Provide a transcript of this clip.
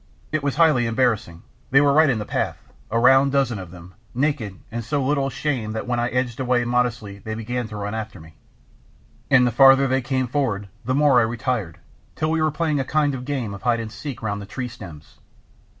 It was highly embarrassing; they were right in the path, a round dozen of them, naked and so little ashamed that when I edged away modestly they began to run after me. And the farther they came forward the more I retired, till we were playing a kind of game of hide and seek round the tree stems.